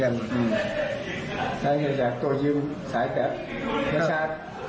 ในเหตุจากตัวยิ่งสายแบบไม่ชัด